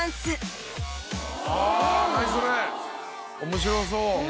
面白そう。